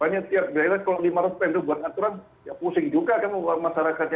banyak tiap kalau lima ratus pembeli buat aturan ya pusing juga masyarakatnya